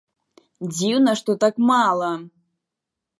Дзіўна, што так мала.